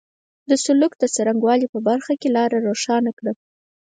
د سلوک د څرنګه والي په برخه کې لاره روښانه کړه.